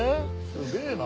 すげえな。